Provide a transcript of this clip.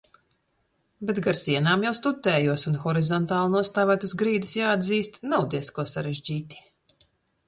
Bet gar sienām jau stutējos un horizontāli nostāvēt uz grīdas, jāatzīst, nav diezko sarežģīti.